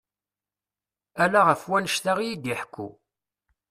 Ala ɣef wannect-a iyi-d-iḥekku.